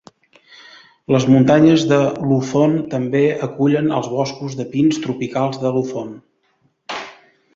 Les muntanyes de Luzon també acullen els boscos de pins tropicals de Luzon.